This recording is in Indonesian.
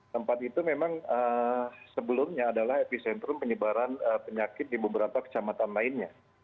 tempat itu memang sebelumnya adalah epicentrum penyebaran penyakit di beberapa kecamatan lainnya